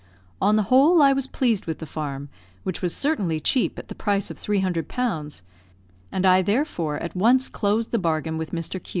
On the whole, I was pleased with the farm, which was certainly cheap at the price of 300 pounds; and I therefore at once closed the bargain with Mr. Q